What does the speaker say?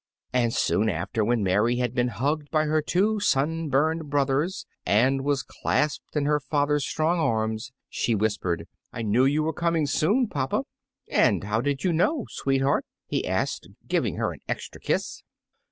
And soon after, when Mary had been hugged by her two sunburned brothers and was clasped in her father's strong arms, she whispered, "I knew you were coming soon, papa." "And how did you know, sweetheart?" he asked, giving her an extra kiss.